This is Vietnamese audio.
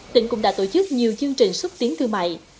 tỉnh cũng đã tổ chức nhiều chương trình xúc tiến thương mại